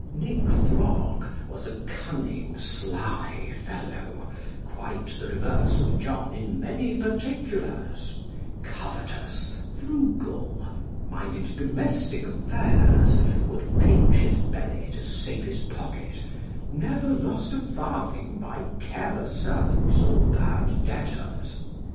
Nic. Frog was a cunning, sly fellow, quite the reverse of John in many particulars; covetous, frugal, minded domestic affairs, would pinch his belly to save his pocket, never lost a farthing by careless servants or bad debtors.